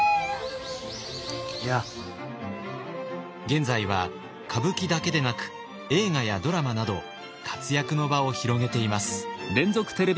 現在は歌舞伎だけでなく映画やドラマなど活躍の場を広げています。